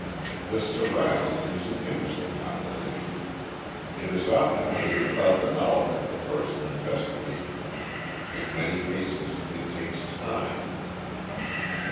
The "surround" is an interesting operation. It is often made without the knowledge of the person investigated. In many cases it takes time.